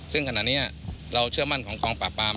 ซึ่งขณะนี้เราเชื่อมั่นของกองปราบปราม